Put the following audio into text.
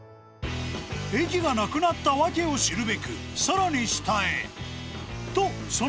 駅がなくなった訳を知るべく、さらに下へ。